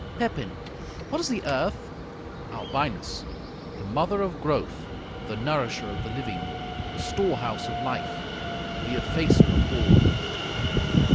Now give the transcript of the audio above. Pepin What is the earth? Albinus The mother of growth; the nourisher of the living; the storehouse of life; the effacer of all.